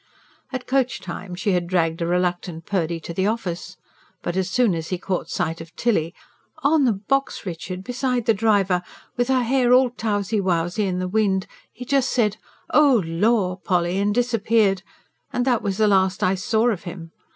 At coach time she had dragged a reluctant Purdy to the office. But as soon as he caught sight of Tilly: "On the box, Richard, beside the driver, with her hair all towsy wowsy in the wind he just said: 'Oh, lor, Polly!' and disappeared, and that was the last I saw of him.